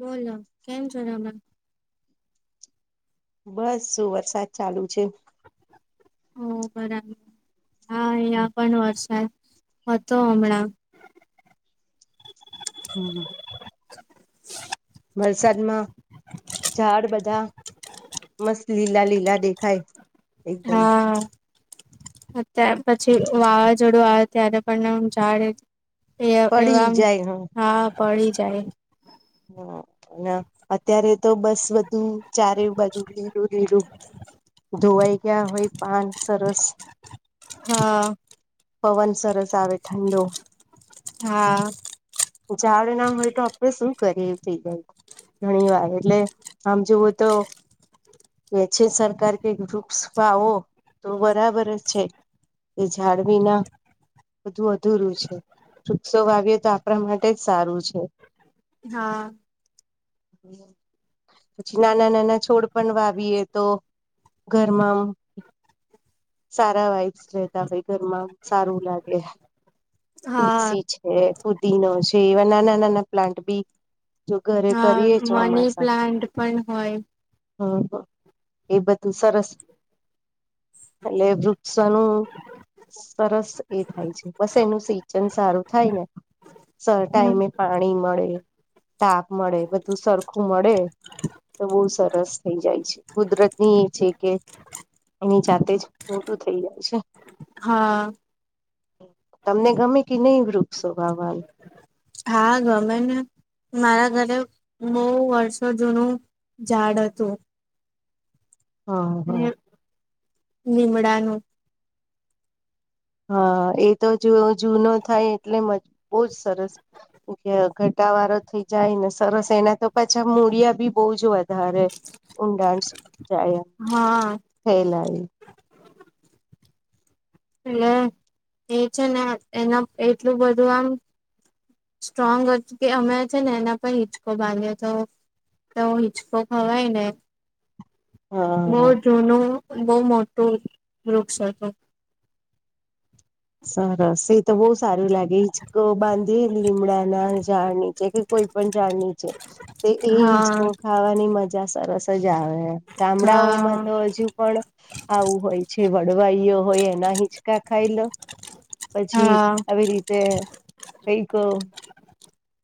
બોલો કેમ છોમણા. બસ વરસાદ ચાલુ છે. ઓ બરાબર હા અહિયા પણ વરસાદ હતો હમણાં. હમ્મ. વલસાડમાં ઝાડ બધા. મસ્ત લીલા લીલા દેખાાય. હા. અત્યારે પછી વાવાઝોડું આવે ત્યારે પણ એમ જાડે એ પડી એવામ જાય હ હા પડી જાય. હ, ન અત્યારે તો બસ બધુ ચારેય બાજુ લીલું લીલું. ધોવાઈ ગયા હોય પાન સરસ. હા. પવન સરસ આવે ઠંડો. હા. ઝાડ ના હોય તો આપડે શું કરીએ? એ થઈ જાય. ઘણી વાર, એટલે આમ જોવું તો કે છે સરકાર કે વૃક્ષ વાવો તો બરાબરજ છે. એ ઝાડ વીના બધું અધૂરું છે, વૃક્ષો વાવીએ તો આપ પરા માટેજ સારું છે. હા. પછી નાના નાના છોડ પણ વાવીએ તો ઘરમાં, સારા વાઇપ્સ રેતા હોય. ઘરમાં સારું લાગે, હા તુલસી છે. પુદીનો છે, એવા નાના નાના પ્લાન્ટ બી જો ઘરે હા કરીએ, મની ચોમાસા પ્લાન્ટ પણ હોય. હમ્મ હ, એ બધું સરસ, એટલે વૃ સનું સરસ એ થાય છે, બસ એનું સિંચન સારું થાય ને. સ હમ ટાઈમે પાણી મળે, તાપ મળે, બધું સરખું મળે. તો બહુ સરસ થઈ જાય છે, કુદરતની છે કે એની જાતેજ મોટું થઇ જાય છે. હા. તમને ગમે કે નહી વૃક્ષો વાવા? હા, ગમેને. મારા ઘરે બહુ વર્ષો જૂનું ઝાડ હતું. હા હા લીમડાનું. હા, એ તો જેવો જૂનો થાય, એટલે મજ બહુ જ સરસ. અ ઘટાવારો થઈ જાયને, સરસ એના તો પાછા મૂળિયા બી બહુંજ વધારે ઊંડાણ સુ જાય. હા. ફેલાય ટલે એ છે ને એના એટલું બધું આમ સ્ટ્રોંગ હતુ, કે અમે છેને એના પર હિંચકો બાંધ્યો તો. તો હિચકો ખવાય ને. બહુ હા જૂનું, બહુ મોટું વૃક્ષ હતુ. સરસ એ તો બહુ સારું લાગે, હિંચકો બાંધીએ લીમડા ના ઝાડ નીચે, કે કોઈ પણ ઝાડ નીચે. એ એ હા હિજકો ખાવાની મજા સરસ જ આવે. ગામડાઓમાં હા તો હજુ પણ આવું હોય છે, વડવાઈઓ હોય એના હિંચકા ખાઈલો. [inaudible] પછી, હા. આવી રીતે, કઈક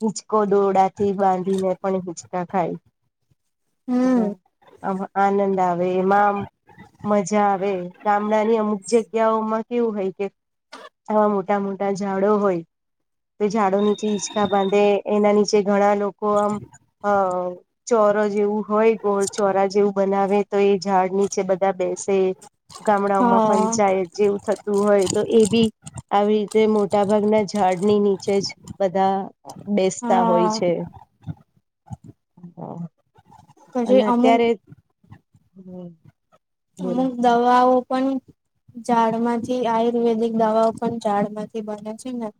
હિંચકો દોરડા થી બાંધીને પણ હીંચકા ખાય. ને, હમ હ આ આનંદ આવે એમાં આમ. મજા આવે, ગામડા ની અમુક જગ્યાઓમાં કેવું હોય કે આવા મોટા મોટા ઝાડો હોય. તો ઝાડો નીચે હિચકા બાંધે, એના નીચે ઘણા લોકો આમ હ ચોર જેવું હોય ગોળ ચોરા જેવું બનાવે તો એ ઝાડ નીચે બધા બેસે ગામડાઓમાં હા પંચાયત જેવું થતું હોય તો એ બી આવી રીતે મોટા ભાગના ઝાડની નીચે જ બધા બેસતા હોય હા છે હ પછી અને અમુક અત્યારે હમ અમુક દવાઓ પણ ઝાડ માંથી આયુર્વેદિક દવાઓ પણ ઝાડમાંથી બને છે ને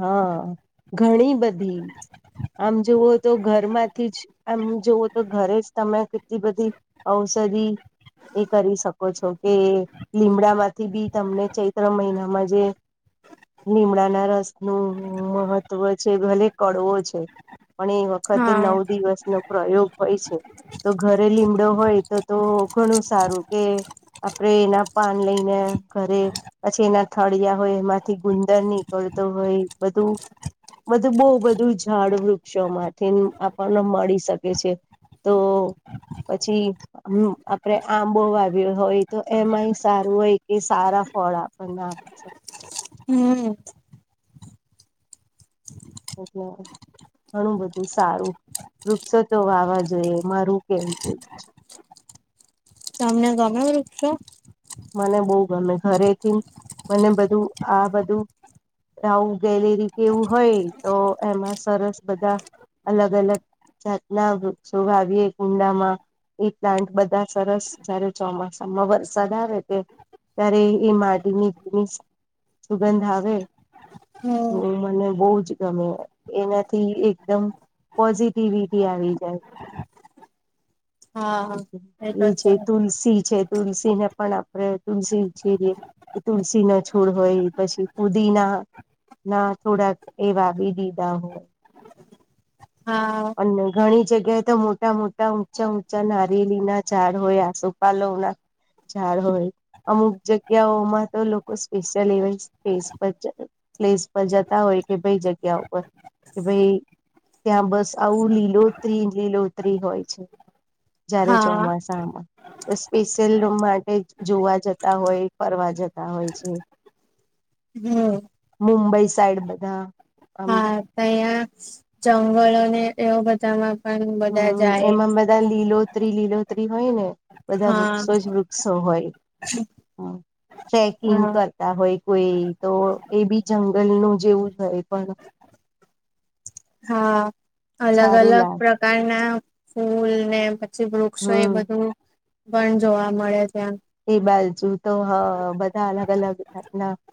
હા ઘણી બધી આમ જોવો તો ઘરમાંથી જ એમ જોવું તો ઘરે જ તમે કેટલી બધી ઔષધિ એ કરી શકો છો કે લીમડામાંથી બી તમને ચૈત્ર મહિનામાં જે લીમડાના રસ નું મહત્વ છે ભલે કડવો છે પણ એ વખતે નવ હા. દિવસનો પ્રયોગ હોય છે તો ઘરે લીમડો હોય તો તો ઘણું સારું કે આપડે એના પાન લઈને ઘરે પછી એના થળિયા હોય એમાંથી ગુંદર નીકળતો હોય બધું બધું બહુ બધું ઝાડ વૃક્ષોમાંથી આપણને મળી શકે છે તો પછી હ આપડે આંબો વાવ્યો હોય તો એમાંય સારું હોય કે સારા ફળ આપણને શકે છે હમ ઓટ ઘણાં બધાં વૃક્ષો વાવવા જોઈએ, કારણ કે વૃક્ષો આપણા જીવન માટે ખૂબ જ જરૂરી છે. તેઓ શુદ્ધ હવા આપે છે, પર્યાવરણનું સંતુલન જાળવે છે અને આવનારી પેઢી માટે હરિયાળું ભવિષ્ય બનાવે છે. હા, મને વૃક્ષો ખૂબ ગમે છે, કારણ કે વૃક્ષો આપણને શુદ્ધ હવા, છાંયો, ફળ અને સુંદર પર્યાવરણ આપે છે. તેથી આપણે વધુમાં વધુ વૃક્ષો વાવવા અને તેમની સંભાળ રાખવી જોઈએ. મને વૃક્ષો ખૂબ ગમે છે. મને હરિયાળું વાતાવરણ, ફૂલ-છોડ અને કુદરત ખૂબ જ પસંદ છે. વૃક્ષો આપણને શુદ્ધ હવા, ઠંડક, ફળ અને છાંયો આપે છે. તેથી હું માનું છું કે દરેક વ્યક્તિએ વધુમાં વધુ વૃક્ષો વાવવા અને તેમની સંભાળ રાખવી જોઈએ. મને ગેલેરીમાં સમય પસાર કરવો ખૂબ ગમે છે. અમારી ગેલેરીમાં વિવિધ પ્રકારના ફૂલના છોડ, લીલાછમ છોડ અને નાના વૃક્ષો છે. સવારે અને સાંજે ત્યાં બેસવાથી તાજી હવા મળે છે અને મનને શાંતિ મળે છે. હરિયાળું વાતાવરણ ખૂબ સુંદર લાગે છે અને કુદરતની નજીક હોવાનો આનંદ મળે છે. જાતજાતનાં વૃક્ષો ભાવે, કુંડામાં પણ ઉછેરી શકાય છે. પ્લાન્ટ બધા સરસ લાગે છે. જ્યારે ચોમાસામાં વરસાદ આવે છે, ત્યારે બધે હરિયાળી છવાઈ જાય છે. ત્યારે ભીની માટીની જે સુગંધ આવે છે, એ મનને ખૂબ જ આનંદ આપે છે. હમ એ મને બહુ જ ગમે છે. એનાથી એકદમ તાજગીનો અનુભવ થાય છે. પોઝિટિવિટી આવી જાય છે. એ છે તુલસી. તુલસીને પણ આપણે ખૂબ જ પવિત્ર અને ઔષધીય છોડ માનીએ છીએ. તુલસીનો છોડ હોય, પછી ફુદીનો હોય. ના, થોડાક એવા પણ બીજા છોડ હોય છે. હા અને ઘણી જગ્યાએ તો મોટા મોટા, ઊંચા ઊંચા નારિયેળના ઝાડ હોય છે, તેમજ સોપારીના ઝાડ પણ હોય છે. ઝાડ હોય. અમુક જગ્યાઓમાં તો લોકો ખાસ એવી જગ્યાઓમાં વિવિધ પ્રકારના છોડ અને વૃક્ષો ઉગાડે છે. પ્લેસ પર જતા હોય કે ભાઈ, એવી જગ્યા પર જઈએ જ્યાં બસ હરિયાળી જ હરિયાળી હોય. આવું લીલોતરીથી ભરેલું વાતાવરણ હોય છે. ખાસ કરીને જ્યારે ચોમાસું આવે છે, ત્યારે ચારેય બાજુ હરિયાળી છવાઈ જાય હા છે. સ્પેશિયલ રૂમ માટે નહીં, પરંતુ એવી સુંદર જગ્યાઓ જોવા અને ફરવા જતા હોય છે. મુંબઈ સાઇડ પણ આવી હમ ઘણી સુંદર અને હરિયાળી જગ્યાઓ જોવા મળે છે. હતા. જંગલો અને એવું બધું જોવા પણ લોકો જતા હોય છે. હા, એમાં બધે લીલોતરી જ લીલોતરી હોય છે અને ચારેય બાજુ વૃક્ષો જ વૃક્ષો જોવા મળે છે. હા, એમાં બધે લીલોતરી જ લીલોતરી હોય છે અને ચારેય બાજુ વૃક્ષો જ વૃક્ષો જોવા મળે હા છે. ખૂબ જ સુંદર દૃશ્ય હોય છે. હોય, કોઈ કોઈ જગ્યાએ તો જંગલ જેવું વાતાવરણ પણ જોવા મળે છે. હા, બરાબર. અલગ સારું અલગ લાગે પ્રકારનાં ફૂલો, પછી વિવિધ પ્રકારનાં વૃક્ષો, એ હમ બધું જોવા ખૂબ જ સુંદર લાગે છે. પણ જોવા મળે છે. એ બાજુ તો બધા અલગ અલગ પ્રકારનાં છોડ, ફૂલો અને વૃક્ષો જોવા મળે છે.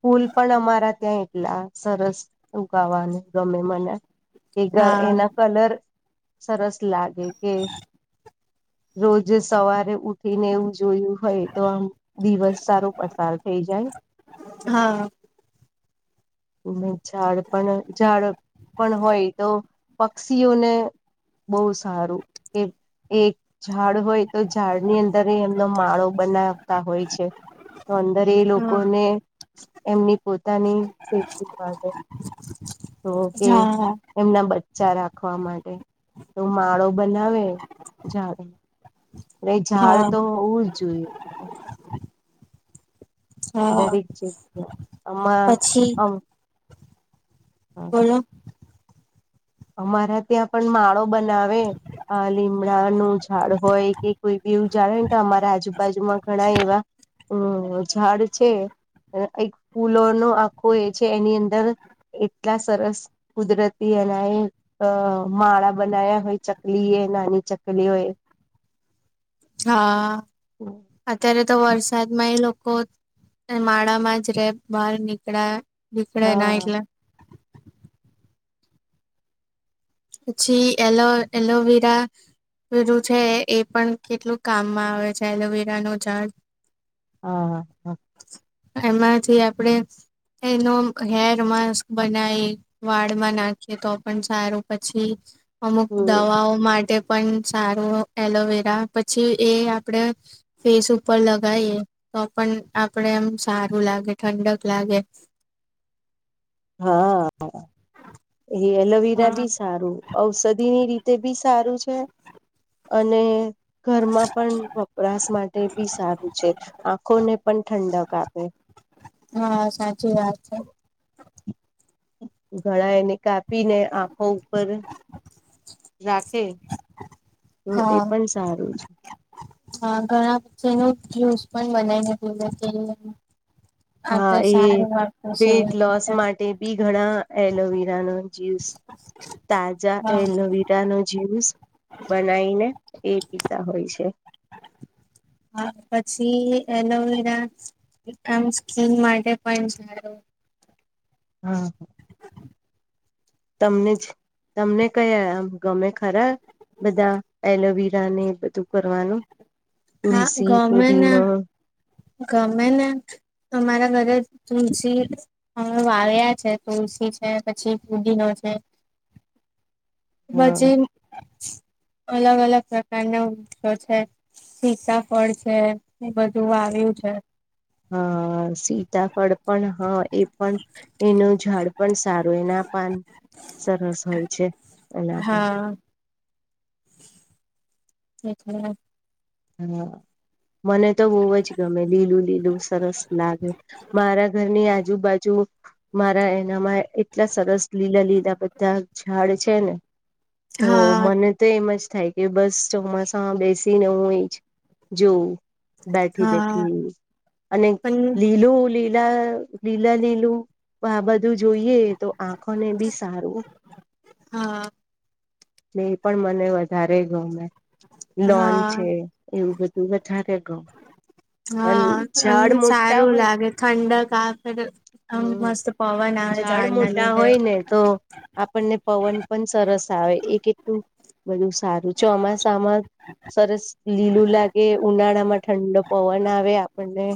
ફૂલો પણ અમારા ત્યાં એટલા સરસ જોવા મળે છે. હા તેના કલર સરસ લાગે છે કે રોજ સવારે ઊઠી ઊઠીને એવું જોયું હોય તો આમ દિવસ સારો પસાર થઈ જાય. હા, ઝાડ, ઝાડ પણ હોય તો પક્ષીઓ ને બહુ સારું એમ એક ઝાડ હોય, તો ઝાડની અંદર એ એમનો પોતાનો માળો બનાવતા હોય છે. તો અંદર એ હા લોકોને એમની પોતાની [inaudible] તો ઓકે. હા એમના બચ્ચાંને રાખવા માટે તો તેઓ માળો બનાવે [inaudible] ઝાડ હા તો હોવું જ જોઈએ. હા દરેક જગ્યાએ પછી અમા હા, અમારા ત્યાં પણ માળો બનાવે. આ લીમડાનું ઝાડ હોય કે કોઈ બીજું ઝાડ હોય, અમારા આજુબાજુમાં ઘણા એવા હા, ઝાડ છે, એક ફૂલોનું આખું એ છે એની અંદર એટલા સરસ કુદરતી અનાયે તો માળા બનાવ્યા હોય ચકલી એ નાની નાની ચકલીઓએ-' હા, હમ અત્યારે તો વરસાદમાં એ લોકો માળામાં જ રહે, બહાર નીકળ્યા નીકલા ના હા એટલે અછી એલો એલોવેરા બધું છે, એ પણ કેટલું કામમાં આવે છે એલોવેરા નું ઝાડ હા હા હા. એમાં જે આપણેે એનો હેર માસ્ક બનાવી વાળમાં નાખીએ તો પણ સારું. પછી અમુક હમ દવાઓ માટે પણ સારું એલોવેરા પછી એ આપડે ફેસ ઉપર લગીએ તો પણ આપડે એમ સારું લાગે, ઠંડક લાગે. હા હા એ એલોવીરા હા બી સારું ઔષધિની રીતે બી સારું છે અને ઘરમાં પણ વપરાશ માટે બી સારું છે. આંખોને પણ ઠંડક આપે. હા સાચી વાત છે. ઘણા એને કાપી ને આંખો ઉપર [unintelligible] રાખે. તો એ હા પણ સારું છે. હા ઘણા જે નુ જ્યુસ પણ બનાઈ ને પીવે છે. હા એ વેટ લોસ માટે બ ઘણા એલોવિરા ન જયુસ તાજા હા. એલોવરા ટા નો જ્યુસ બનાવીને એ પીતા હોય છે. પછી એલોવેરા આમ સ્કીન માટે પણ સારું. હા. તમને જ તમને કયા ગમે ખરા? બધા એલોવીરા ને બધું કરવાનું.? હા તુલસી ગમેને ફુદીનો [unintelligible] ગમે ના. અમારા ઘરે તુલસી અમે વાવ્યા છે તુલસી છે, પછી પુદીનો છે. [inaudible] હા પછી [unintelligible] અલગ- અલગ પ્રકાર ના વૃક્ષો છે. સીતાફળ છે એ બધું વાવ્યું છે. હા સીતાફળ પણ હા એ પણ એનું ઝાડ પણ સારું એના પાન સરસ હોય છે એના પણ. હા [unintelligible] હા મને તો બહુ જ ગમે લીલું લીલું સરસ લાગે. મારા ઘરની આજુબાજુ મારા એનામાં એટલા સરસ લીલા લીલા બધા ઝાડ છે ને. તો હા મને તો એમ જ થાય કે બસ ચોમાસામાં બેસીને હું જોઉ બેઠી હા બેઠી અને પણ લીલો લી લા લીલા લીલું આ બધું જોઈએ તો આંખોને બી સારું. હા. એ પણ મને વધારે ગમે લોન હા છે. એવું બધું વધારે ગમે અને હા ઝાડ અને મોટા સારું હોય લાગે ઠંડક આ ફેર ત હમ મસ્ત પવન આવે ઝાડ ઝાડના મોટા લીધે હોય ને તો આપણને પવન પણ સરસ આવે એ કેટલું બધું સારું ચોમાસામાં સરસ લીલું લાગે ઉનાળા માં ઠંડો પવન આવે આપણને.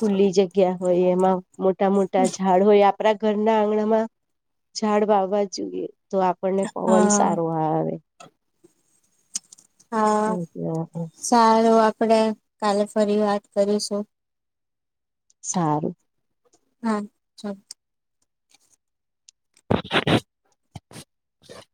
ખુલ્લી જગ્યા હોય એમાં મોટા મોટા ઝા ડ હોય આપણા ઘરના આંગણામાં ઝાડ વાવવા જોઈએ તો આ પણને પવન હા સારું આવે. હા [unintelligible] સારું આપડે કાલે ફરી વાત કરીશું. સારું. હમ ચલ [inaudible]